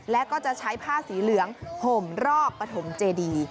และก็จะใช้ผ้าสีเหลืองห่มรอบปฐมเจดี